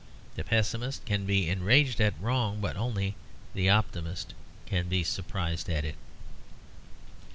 The pessimist can be enraged at wrong; but only the optimist can be surprised at it.